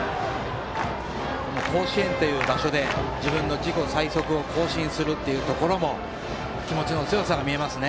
甲子園という場所で自分の自己最速を更新するところも気持ちの強さが見えますね。